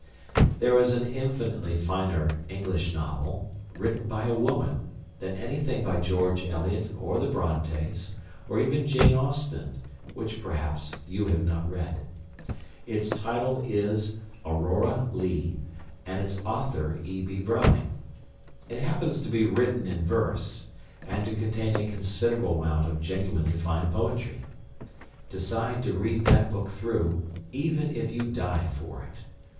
There is an infinitely finer English novel, written by a woman, than anything by George Eliot or the Brontes, or even Jane Austen, which perhaps you have not read. Its title is "Aurora Leigh," and its author E.B. Browning. It happens to be written in verse, and to contain a considerable amount of genuinely fine poetry. Decide to read that book through, even if you die for it.